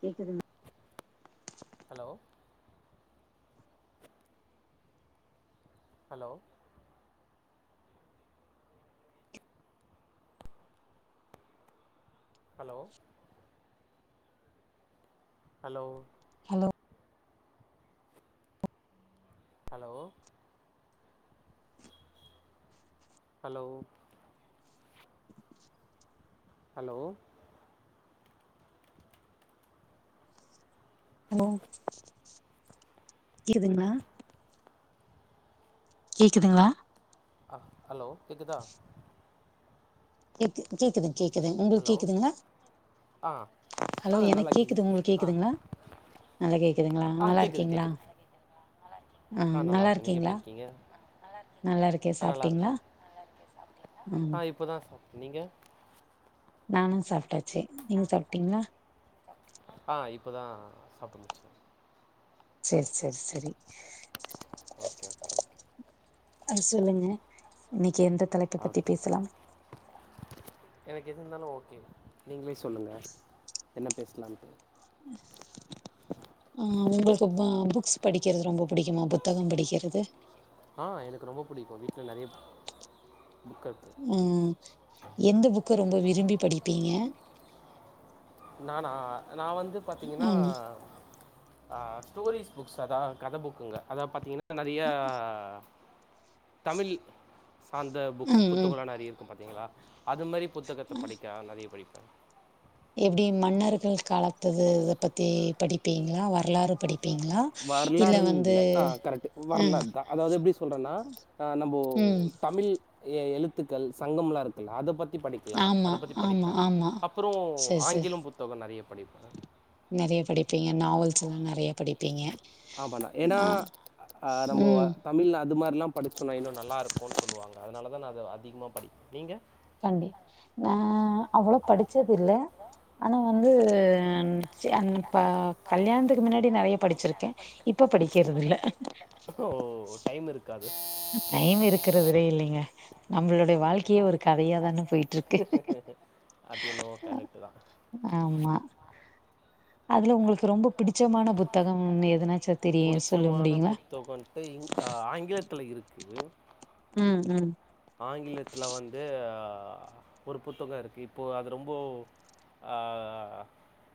கேக்குதுங் hello hello hello hello hello hello hello hello hello கேக்குதுங்லா கேக்குதுங்ளா ஆ ஹலோ கேக்குதா கேக்கு கேக்குது கேக்குது உங்களுக்கு ஹலோ கேக்குதுங்ளா ஆ ஹலோ ஆ எனக் நல்லா கேக்குது உங்களுக் ஆ கேக்குதுங்லா நல்லா கேட்கதுங்லா ஆ நல்லா கேட்குது இருக்கீங்லா கேட்குது ஆ நல்லா நல்லாயிருக்கேன் நீங்கள் எப்படி இருக்கீங்லா இருக்கீங்க நல்லா இருக்கே ஆ சாப்பிட்டீங்லா ம் இப்பதா சாப் நீங்க நானு சாப்ட்டாச்சு நீங்க சாப்ட்டீங்லா ஆ இப்பதா சாப்ட்டு முடிச்சே சேரி சேரி செரி ஓகே ஓகே அ சொல்லுங்க இன்னைக்கு எந்த தலைப்ப பத்தி ஓகே பேசலாம் [inaudible] எனக்கு எது இருந்தாலு ஓகே நீங்ளே சொல்லுங்க என்ன பேசலான்ட்டு ஆ உங்களுக்கு பா புக்ஸ் படிக்கிறது ரொம்ப புடிக்குமா புத்தகம் படிக்கிறது ஆ எனக்கு ரொம்ப புடிக்கு வீட்ல நெறைய புக் இர்க்கு ம் எந்த புக்க ரொம்ப விரும்பி படிப்பீங்க நானா நா வந்து பாத்தீங்கன்னா ஆமா ஆ ஸ்டோரிஸ் புக்ஸ் அதா கத புக்குங்க அதா பாத்தீங்கன்னா நெறைய தமிழ் சார்ந்த புக் ம் ம் புத்தகோல்லா நிறைய இருக்கு பாத்தீங்களா அது மாரி புத்தகத்த படிக்க நெறைய படிப்பே எப்டி மன்னர்கள் காலத்தது இத பத்தி படி வர்லாறுன் இல்ல ஆ கரெக்ட்டு அ வரலாற் தா அதாவ்து எப்டி சொல்றன்னா நம்போ ம் தமிழ் எ எழுத்துக்கள் சங்கம்லா இருக்கல்ல அத பத்தி படி க்கலா அத ஆமா பத்தி ஆமா படிப்பே ஆமா அப்பறோ செரி செரி ஆங்கிலம் புத்தகோ நெறையா படிப்பே நெறைய படிப்பீங்க நாவல்ஸ் எல்லா நெறைய படிப் ஆமாண்ணா ஏனா ஆ நம்போ ம் தமிழ் அதுமாரிலா படிச்சோன்னா இன்னு நல்லாருக்குன் சொல்லுவாங்க அதுனால தா நா அத அதிகமாக படி நீங்க காண்டி நா அவ்வளோ படிச்சதில்ல ஆனா வந்து சேங்ப்பா கல்யாண்த்துக்கு மின்னாடி நெறைய படிச்சிரு க்கே இப்ப படிக்கறதில்ல ஓ டைம் இருக் காது ம் டைம் இருக்கறதுலே இல்லீங்க நம்மளுடய வாழ்க்கையே ஒரு கதையா தான போய்ட்ருக்கு அது என்னவோ கரெட்டு தா ம் ஆமா அதுல உங்கள்க்கு ரொம்ப பிடிச்சமான புத்தகம்னு எதுனாச்சு தெரியு சொல்ல முடியுங்ளா ப இங் அ ஆங்கிலத்துல இருக்கு ம் ம் ஆங்கிலத்ல வந்து ஒரு புத்தகோ இருக்கு இப்போ அது ரொம்ப ஆ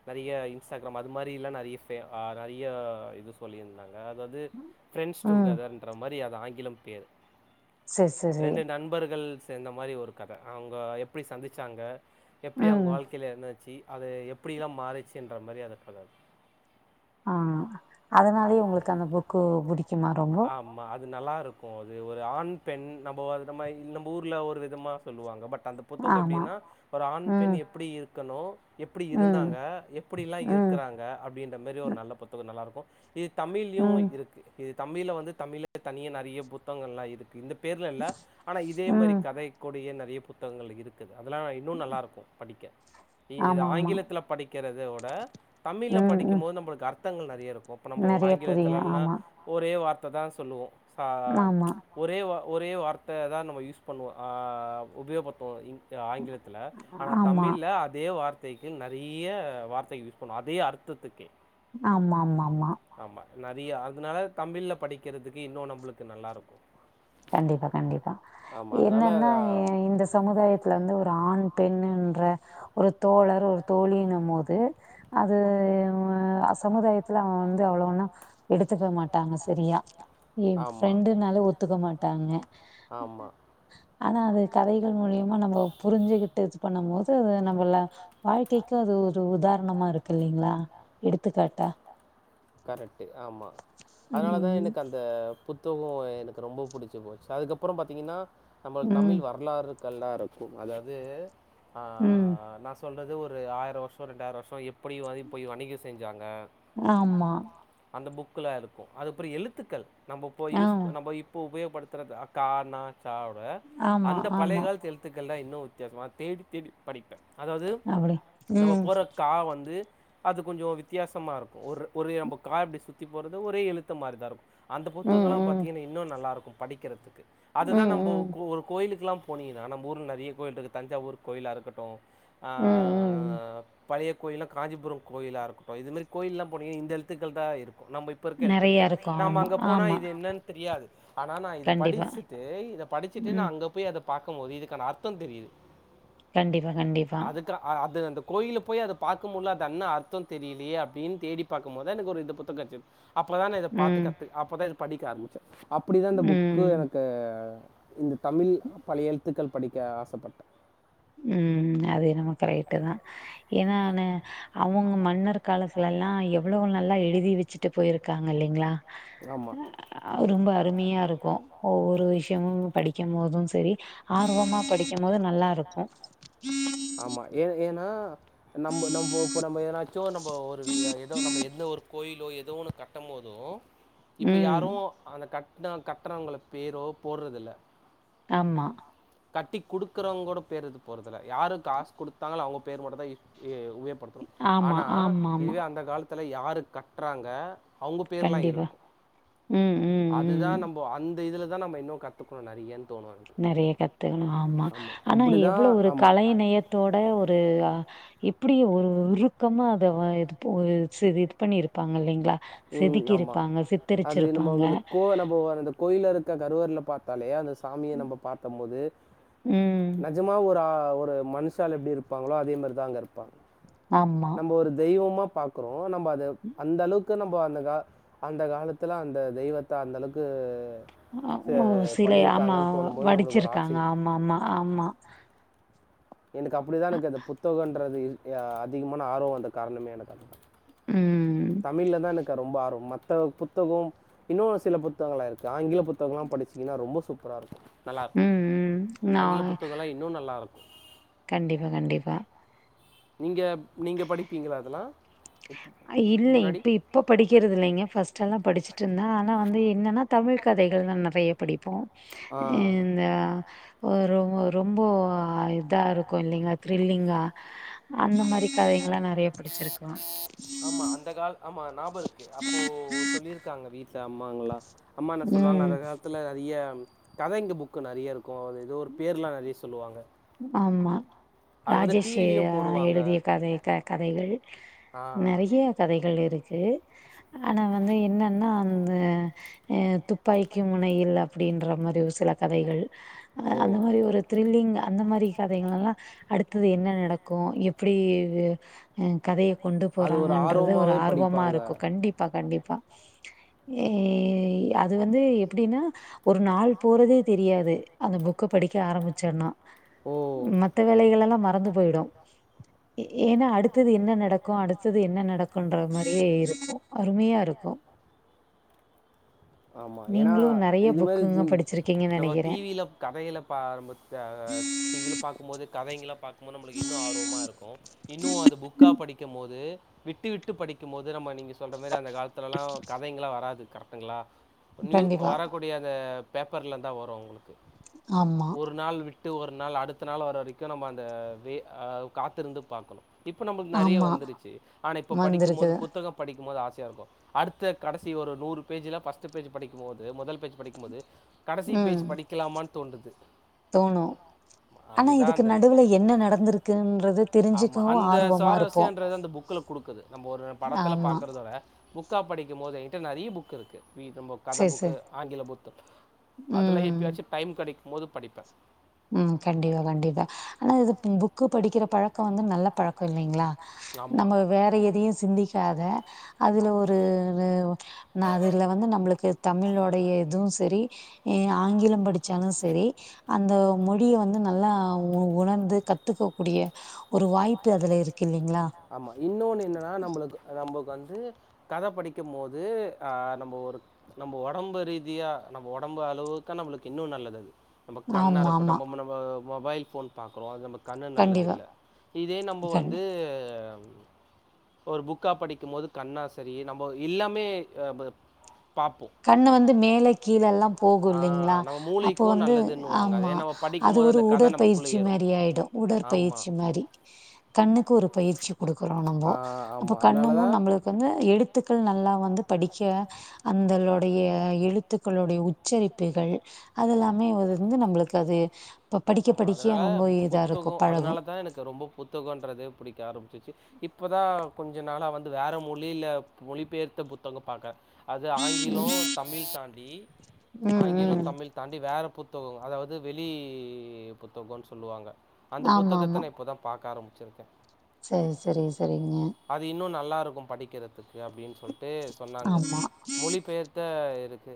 நறிய இன்ஸ்டாகிராம் அது மாரி இல்லா நறியா ஃபே ஆ நறியா இது சொல்லீர்ந்தாங்க எ அதாவ்து ஃப்ரெண்ட்ஸ் ம் டுகெதர்ன்ற மாரி அது ஆங்கிலம் பேரு செஸ் ரெண்டு நண்பர்கள் சேந்த மாரி ஒரு கத அவ்ங்க எப்பிடி சந்திச்சாங்க எப்பிடி அவுங்க ம் வாழ் க்கைல என்னாச்சி அத எப்டில்லா மாறுச்சின்ற மாரியான கத ஆ அதனாலயே உங்களுக் அந்த புக்கு புடிக்குமா ரொம்போ ஆமா அது நல்லாருக்கு அது ஒரு ஆண் பெண் நம்போ அது நம்ம ல் நம்ப ஊர்ல ஒரு விதமா சொல்லுவாங்க பட் அந்த புத்தகோ ஆமா எப்டினா ஒரு ஆண் பெண் ம் எப்பிடி இருக்கணு எப்பிடி ம் இருந்தாங்க எப்பிடி எல்லா ம் இருக்கறாங்க அப்டின்ற மாரி ஒரு நல்ல புத்தகோ நல்லாருக்கு இது தமிழ்லியு ம் இருக்கு இது தமிழ்ல வந்து தமிழ்லே தனியா நறைய புத்தங்கல்லா இருக்கு இந்த பேர்ல இல்லா ஆனா இதே மாரி ம் கதை கூடயே நறைய புத்தகங்கள் இருக் குது அதெல்லா இன்னு நல்லாருக்கு படிக்க இ இது ஆமா ஆமா ஆங்கிலத்துல படிக்கிறத வுட தமிழ்ல ம் ம் படிக்கும்மோது நம்பளுக்கு அர்த்தங்கள் நறைய இருக்கு இப்ப நம்போ நெறைய புரியு ஆங்கிலத்துலன்னா ஆமா ஒரே வார்த்த தா சொல்லுவோ சா ஆமா ஒரே வா ஒரே வார்த்த தா நம்ம யூஸ் பண்ணுவோ அ உபயோக்பட்த்துவோ இ்ங் கு ஆங்கிலத்துல ஆனா ஆமா தமிழ்ல அதே வார் த்தைக்கு நறைய வார்த்தை யூஸ் பண்ணும் அதே அர்த்தத்துக்கு ஆமா ஆமா ஆமா ஆமா நரிய அதனால தமிழல்ல படிக்கிறதுக்கு இன்னும் நம்பளுக்கு நல்லா இருக்கு கண்டிப்பா கண்டிப்பா ஆமாம் அதனால என்னன்னா ஆ, இந்த அஹ், சமுதாயத்துல வந்து ஒரு ஆண் பெண் ஒரு தோழர் ஒரு தோழின்னு போது அது அ சமுதாயத்துல வந்து அவ்ளவு ஒன்னோ எடுத்துக்க மாட்டாங்க செரியா ஏன் ஆமாம் ஃப்ரெண்டுனாலு ஒத்துக்க மாட்டாங்க ஆமாம் ஆனா அது கதைகள் மூலியமா நம்ம புரிஞ்சுகிட்டு இது பண்ணும் போது நம்மல வாழ்க்கைக்கு அது ஒரு உதாரணமா இருக்கு இல்லலைங்களா எடுத்துக்காட்டா கரெக்ட்டு ஆமா அதனால தான் ம் எனக்கு அந் த புத்தகொம் எனக்கு ரொம்ப புடிச்சி போச்சு அதுக்கப்பறம் பாத்தீங்கன்னா நம்ம தமிழ் ம் வரலாறு கள்லா இருக்கும் அதாவது ஆ ம் நான் சொல் வது ஒரு ஆயிரம் வருஷம் ரெண்டாயிரம் வருஷம் எப்டி போய் வணிகம் செஞ்சாங்க ஆமா அந்த புக்குல இருக்கும் அதுப்பிற எழுத்துக்கள் நம்ப போய் ஆ யூஸ் நம்ப யூ இப்ப உபயோப்படுத்துறது கா னா சா வுட ஆமா அந்த பலய ஆமா காலத்து எழுத் த்துக்கள்லாம் இன்னும் வித்தியசமா தேடி தேடி படிப்பே அதாவது அப்டி நம்ம ம் போடுற க வந்து அது கொஞ்சம் வித்தியாசமா இருக்கும் ஒரு ஒரு நம்ப க இப்டி சுத்தி போடுறது ஒரே எழுத்த மாரி தான் இருக்கும் அந்த ம் புத்தகலாம் ம் பாத்திங்கன்னா இன்னும் நல்லாயிருக்கும் படிக்கிறதுக்கு அதுதான் ம் நம்பொ ம் கோ ஒரு கோயிலுக்கெல்லாம் போனீங்கன்னா நம்ம ஊர்ல நெறைய கோயில் இருக்கு தஞ்சாவூர் கோயிலா இருக்கட்டும் ம் ம் பழைய கோயில்லா காஞ்சிபுரம் கோயிலா இருக்கட்டும் இதுமாரி கோயில்லாம் போனீங்க இந்த எழுத்துக்கள் தான் இருக்கும் நம்ப இப் இப்ப இருக்க நெறைய எழுத்திருக்காது இருக்கு நம்ப ஆமா அங்க போனா ஆமா இது என்னன்னு தெரியாது ஆனா நான் இத கண்டிப்பா படிசிட்டு இத படிச்சுட்டு ம் நான் அங்க போய் அத பாக்கும் போது இதுக்கான அர்த்தம் தெரியுது கண்டிப்பா கண்டிப்பா அதுக்கு அது அந்த கோயில்ல போய் அத பாக்கும் போது அது அன்ன அர்த்தம் தெரியலயே அப்டின் தேடி பாக்கும் போது எனக்கு ஒரு இந்த புத்தக கடச்சிது அப்பதான் நா இத ம் பாத்துக்க அப்பதான் இத படிக்க ஆரம்பிச்ச அப்டி தான் இந்த புக்கு ம் எனக்கு இந்த தமில் பலைய எழலுத்துக்கள் படிக்க ஆசப்பட்ட ம் அது என்னமோ கரைட்டு தான் ஏனானே அவுங் அவங்க மன்னர் கால ல்லெல்லா எவ்ளோ நல்லா எழுதி வச்சிட்டு போயிருக்காங்க இல்லைங்களா ஆமா ஆ ரொம்ப அரிமையா இருக்கும் ஒவ்வொரு விஷியமு படிக்கும் போதும் செரி ஆர்வமா படிக்கும் போது நல்லா இருக்கும் ஆமா ஏ ஏனா நம்ப நம்போ இப்ப நம்ம ஏனா சோ நம்மோ ஒரு எதோ நம்மோ எந்த ஒரு கோயிலோ ஏதுவு ஒன்னு கட்டம் போதோ இப்ப ம் யாரு அந்த கட்ட கட்டறவங்கள பேரோ போடறதில்ல ஆம்மா கட்டி குடுக்குறவங்களோட பேரு இது போறதில்ல யாரு காசு குடுத்தாங்ளோ அவங்க பேரு மட்டு தா ஏ படுக்றோ ஆமா ஆனா ஆமா ஆமா இதுவே அந்த காலத்ல யாரு கட்றாங்க அவுங்க பேர்லா கண்டிப்பா இருக்கும் ம் ம் ம் அதுதா நம்போ அந் இதுல தா நம்ம இன்னு கத்துக்கணு நெறையானு தோணு நெறைய கத்துக்கணு ஆமா ஆனா தான் எவ்ளவு ஒரு ஆமாம் கலை நெய தோட ஒரு எப்டி ஒரு இருக்கமா அத வா எடுப்போது செரி இது பண்ணியிருப்பாங்களிங்ளா ம் ஆமா அது நம்மோ வந்து கோ நம்போ வந்து கோ கோயில்ருக்க கருவறல்ல பாத்தாலே அந்த சாமிய ம். நம்ம பாத்தும் போது ந ம். நிஜமா ஒரா ஒரு ஒரு மனுஷாலு எப்டி இருப்பாங்களோ அதே மாறிதா அங்கருப்பாங் ஆமா. நம்ம ஒரு தெய்வமா பாக்குறோ நம்ம அத அந்தளவுக் க்கு நம்ம அந்த கா அந்த காலத்துல அந்த தெய்வத்த அந்தளவுக்கு அப்போ சிலையா ஆமா நம்மளுக்கு ஒரு வடுச்சிருக்காங்க ஆச்சரியம் ஆமா ஆமா ஆமா எனக்கு அப்டிதா அ எனக்கு அந்த புத்தகோன்றது இருக் ஆ அதிகமான ஆர்வோ வந்த காரணமே எனக்கு அதா ம் தமிழ்ல தா எனக்கு ரொம்ப ஆர்வோ மத்த புத்தகோம் இன்னு சில புத்தகங்களா இருக்கு ஆங்கில புத்தகல்லா படிச்சீங்கன்னா ரொம்ப சூப்பராருக்கு ம், நல்லாருக்குங்க ம். ஆங்கில நான் புத்தகல்லா இன்னு நல்லாருக்கு கண்டிப்பா கண்டிப்பா நீங்க நீங்க படிப்பீங்களா அதெல்லா ஐ இல்லே இப்ப இப்ப படிக்கிறதில்லைங்க ஃபர்ஸ்ட்ல்லா படிச்சுட்டுருந்த ஆனா வந்து என்னன்னா தமிழ் கதைகள் தா நறைய படிப்போ ஆ இந்த ஆ ஒரு ஒரு ரொம்பே இதாருக்கு இல்லிங்ளா த்ரில்லிங்கா அந்த மாறி கதைங்களா நறைய படிச்சிருக்கோ ஆமா அந்த கால ஆமா நாபோருக்கு அப்போ சொல்லிருக்காங்க வீட்ல அம்மாங்களா அம்மா என்ன சொல்லுவாங்க ம் அந்த காலத்துல நறைய கதைங்க புக் க்கு நறையருக்கு அது ஏதோ ஒரு பேர்லா நறையா சொல்லுவாங்க ஆமா அது வந்து டிவிலயு ராஜேஷேயா ஆ போடுவாங்க எழுதிய கதை க கதைகள் ஆ நறைய கதைகள் இருக்கு ஆனா வந்து என்னன்னா அந்த எ துப்பாக்கி முனையில் அப்டின்ற மாரி ஒரு சில கதைகள் ஓ அந்த மாரி ஒரு த்ரில்லிங்கா அந்த மாரி கதைங்களெல்லா அடுத்தது என்ன நடக்கு எப்பிடி இவ் எ கதைய கொண்டு அது ஒரு போவாங்க போறாங்கன்றது ஒரு ஆர்வமாவே அப்படின்ற படிப்பாங்க ஆர்வமாருக்கு மாதிரி கண்டிப் பா கண்டிப்பா ஏ அது வந்து எப்டினா ஒரு நாள் போறதே தெரியாது அந்த புக்க படிக்க ஆரமிச்சோனா ஓ மத்த வேலைகளெல்லா மறந்து போய்டு ஏ ஏனா அடுத்தது என்ன நடக்கு அடுத்தது என்ன நடக் குன்ற மாரியே இருக்கு அருமையாருக்கு ஆமா ஏனா நீங்களு நெறைய இது மாரி புக்குங்க தீ ங்க படிச்சிருக்கீங்கன் நம்ம நெனைக்கிறே டி வில கதைகள பா [unintelligible] அ டி வில பாக்குபோது கதைங்கள பாக் கும்போது நம்மளுக்கு இன்னு ஆர்வமாருக்கு இன்னு அது புக்கா படிக் கம் போது விட்டு விட்டு படிக்கும் போது நம்ம நீங்க சொல்ற மாரி அந்த காலத்துல்ல கதைங்களா வராது கரெ ங்களா நியூ கண்டிப்பா வரக்கூடிய அந்த பேப்பர்ல தா வரு உங்குளுக்கு ஆமா ஒரு நாள் விட் டு ஒரு நாள் அடுத்த நாள் வர வரைக்கி நம்ம அந்த வே அ காத்துருந்து பாக்கணு இப்ப நம்மளுக்கு நறைய ஆமா வந்துருச்சு ஆனா இப்ப படிக்கும் போது வந்திருக்குது புத்தகப் படிக்கும்போது ஆசையாருக்கு அடுத்த கடைசி ஒரு நூறு பேஜ்ல ஃபர்ஸ்ட் பேஜ் படிக்கும் போது மொதல் பேஜ் படிக்கும்போது கடைசி ம் பேஜ் படிக்கலாமானு தோன்டுது தோணு ஆனா அதுதா இதுக்கு அந்த நடுவுல என்ன நடந்திருக்குன்றது ஆமா தெரிஞ்சுக்கவு அந்த ஆர்வமா இருப்போ சுவாரஸ்யோன்றது அந்த புக்ல குடுக்குது நம்ம ஒரு படத்துல ஆமா பாக்கறதோட புக்கா படிக்கும் போது எங்கிட்ட நறைய புக்ருக்கு வி நம்போ கத சேர் புக்கு சேர் ஆங்கில புத்து அதெல்லாமன ம் எப்பயாச்சு டைம் கெடைக்கும்போது படிப்பே ம் கண்டிப்பா கண்டிப்பா ஆனா இது பு புக்கு படிக்கிற பழக்கோ வந்து நல்ல பழக்கோ இல்லைங்ளா ஆமாம் நம்ம வேற எதையு சிந்திக்காத அதுல ஒரு ஒரு நா அதுல வந்து நம்முளுக்கு தமிழோடைய இதுவு செரி எ ஆங்கிலோ படிச்சாலு செரி அந்த மொழிய வந்து நல்லா உ உணர்ந்து கத்துக்க கூடிய ஒரு வாய்ப்பு அதுல இருக்கு இல்லீங்களா ஆமா இன்னோன்னு என்னன்னா நம்முளுக்கு நம்மக்கு வந்து கத படிக்கும் போது அ நம்போ ஒரு நம்போ ஒடம்பு ரீதியா நம்போ ஒடம்பு அள வுக்கு நம்புளுக்கு இன்னு நல்லது அது நம்ப கண்ணா ஆமா ஆமா இருக்கட்டு பொம்ம நம்போ மொபைல் ஃபோன் பாக்கறோ அது நம்மக் கண்ணு கண்டிப்பா நல்லதில்ல இதே நம்போ கண் வந்து ஒரு புக்கா படிக்கும்போது கண்ணா சரி நம்ம எல்லாமே ப ப பாப்போ கண்ணு வந்து மேலே கீழல்லா போகோ இல்லிங்களா ஆஹ் நம்ம அப்போ மூளைக்கும் வந்து நல்லதுன்னுவாங்க ஆமா அதே நம்ம படிக்கும் அது போது ஒரு அந்த கதை நமக்குள்ளே உடற்பயிற்சி ஏறும் மாரி ஆயிடோ உடற்பயிற்சி ஆமாம் மாரி கண்ணுக்கு ஒரு பயிற்சி குடுக்குறோ ஆ நம்மோ அப்போ ஆமா கண்ணுமு அதனாலதா நம்புளுக் கு வந்து எழுத்துக்கள் நல்லா வந்து படிக்க அ ந்தளோடைய எழுத்துக்களுடைய உச்சரிப்புகள் அதெல்லாமே ஒரு இந்து நம்புளுக்கு அது இப்போ படிக்க படிக்க ரொம்போ இதாருக்கோ பழகோ அதா எனக்கு ரொம்ப புத் புத்தகோன்றதே புடிக்க ஆரம்பச்சிச்சு இப்பதா கொஞ்சோ நாளா வந்து வேற மொழியில மொழிபெயர்த்த புத்தகோ பாக்க அது ஆங்கிலோ ம் தமிழ் தாண்டி ம் ஆங்கிலோ ம் தமிழ் தாண்டி வேற புத்தகோ அதாவது வெளி புத்தகோனு சொல்லுவாங்க அந்த ஆமாம் புத்தகத்த நா இப்பதா பாக்க ஆரம்பிச்சிருக்கே செரி செரி செரிங்க அது இன்னோ நல்லாருக்கோ படிக்கிறதுக்கு அப்படின்னு சொல்ட்டு சொன்னாங்க ஆமாம் மொழிபெயர்த் த்த இருக்கு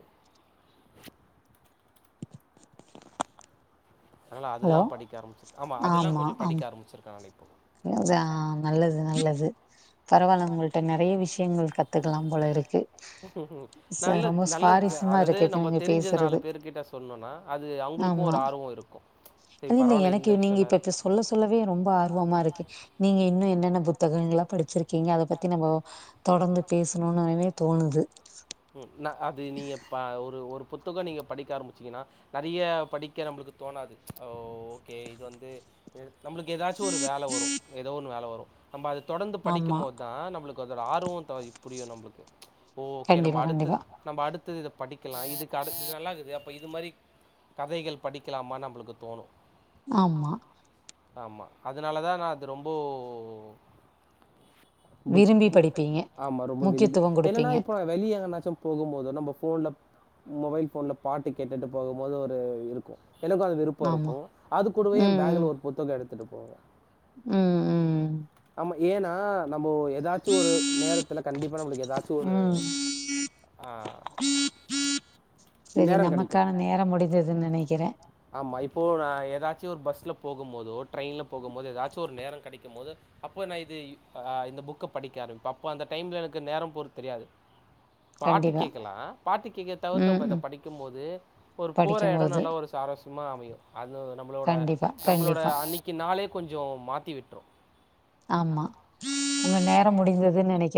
அதனாலா அதெல்லா ஹலோ படிக்க ஆரம்பிச்சிருக் ஆமா அதெல்லா ஆமாம் கொஞ்சோ ஆமாம் படிக்க ஆரம்பிச்சிருக்கே நானு இப்போ [unintelligible] நல்லது நல்லது பரவாயில்ல உங்கள்ட்ட நறைய விஷ் யங்கள் கத்துக்கலா போல இருக்கு ச நல்லது ரொம்ப நல்லது சுவாரஸ்யமா அதுதே இருக்கு இப்ப நம்ம நீங்க தெரிஞ்ச நாலு பேசுறது பேரு கிட்ட சொன்னோனா அது அவுங்களுக்கோ ஆமா ஒரு ஆர்வோ இருக்கோ அது இல்ல எனக்கு நீங்க இப்ப இப்ப சொல்ல சொல்லவே ரொம்ப ஆர்வமா இருக்கு கு நீங்க இன்னு என்னென்ன புத்தகங்களா படிச்சிருக்கீங்க அத பத்தி நம்போ தொடந்து பேசணோனவே தோணுது ம் நா அது நீங்க பா ஒரு ஒரு புத்தகோ நீங்க படிக்க ஆரம்பிச்சீங்கன்னா நறிய படிக்க நம்புளுக்கு தோணாது ஓகே இது வந்து நம்புளுக்கு ஏதாச்சு ஒரு வேல வரோ எதோ ஒன்னு வேல வரோ நம்ம அத தொடந்து ஆமா படிக்கும் போது தா நம்புளுக்கு அதோட ஆர்வோ த புரியு நம்புளுக்கு ஓகே நம்ம கண்டிப்பா அடுத்து கண்டிப்பா நம்ம அடுத்து இத படிக்கலா இதுக்கு அடுத் இது நல்லாக்குதே அப்ப இது மாரி கதைகள் படிக்கலாமானு நம்புளுக்கு தோணோ ஆமா ஆமா அதனால தா நா அத ரொம்போ புக் விரும்பி பு படிப்பீங்க ஆமா ரொம்ப விரும்பி முக்கியத்துவோ என்னன்னா குடுப்பீங்க வெளிய எங்கனாச்சோ போகும் போதோ நம்ப ஃபோன்ல மொபைல் ஃபோன்ல பாட்டு கேட்டுட்டு போகும் போது ஒரு இருக்கோ எனக்கோ அது விருப் போ ஆமா இருக்கோ அது கூடவே ஏ ம் ம் பேக்ல ஒரு புத்தகோ எடுத்துட்டு போவ ம் ம் ஆமா ஏன்னா நம்போ ஏதாச்சு ஒரு நேரத்துல கண்டிப்பா நம்மளுக்கு ஏதாச்சு ஒரு ம் அ செரி கிடைக்கும். நமக்கான நேர முடிந்ததுன்னு நெனைக்கிறே ஆமா இப்போ நா ஏதாச்சு ஒரு பஸ்ல போகு மோதோ ட்ரெயின்ல போகும் மோதோ எதாச்சு ஒரு நேர கெடைக்கு மோது அப்போ நா இது இந்த புக்க படிக்க ஆரம்பிப்ப அப்போ அந்த டைம்ல எனக்கு நேர போறத் தெரியாது [inaudible] பாட்டு கண்டிப்பா கேட்கலா பாட்டு கேட்க தவித்து ம் நம்ம இத ம் படிக்கு போது ஒரு போற எடோ படிக்கும்போது நல்ல ஒரு சுவரஸ்ஸும்ம அமையு அது நம்பளோட கண்டிப்பா நம்பளோட கண்டிப்பா அன்னைக்கி நாளே கொஞ்சோ மாத்தி விட்ரு ஆமா உங்க நேர முடிஞ்சதுன்னு நெனைக்கிறா